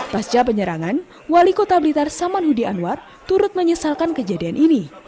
pasca penyerangan wali kota blitar saman hudi anwar turut menyesalkan kejadian ini